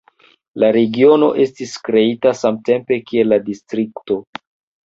La regiono estis kreita samtempe kiel la distrikto.